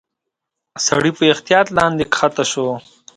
سړی په احتياط لاندي کښته شو.